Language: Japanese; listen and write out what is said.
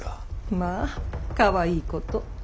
まあかわいいこと。